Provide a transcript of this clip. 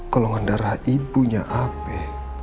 golongan darah ibunya abe